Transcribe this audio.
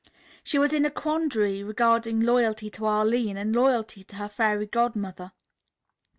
She was in a quandary regarding loyalty to Arline and loyalty to her Fairy Godmother.